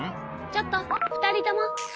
ちょっと２人とも。